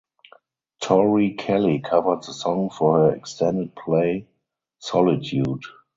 Tori Kelly covered the song for her extended play "Solitude".